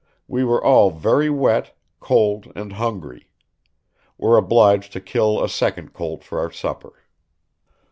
We were all very wet, cold, and hungry.... Were obliged to kill a second colt for our supper."